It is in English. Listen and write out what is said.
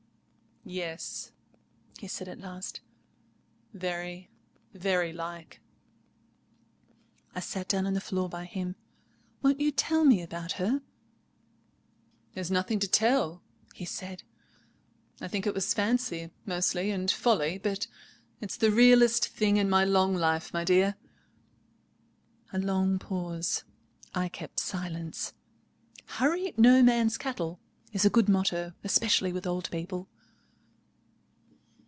"Yes," he said at last. "Very—very like." I sat down on the floor by him. "Won't you tell me about her?" "There's nothing to tell," he said. "I think it was fancy, mostly, and folly; but it's the realest thing in my long life, my dear." A long pause. I kept silence. "Hurry no man's cattle" is a good motto, especially with old people.